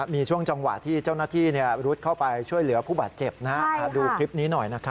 มีช่วงจังหวะที่เจ้าหน้าที่รุดเข้าไปช่วยเหลือผู้บาดเจ็บดูคลิปนี้หน่อย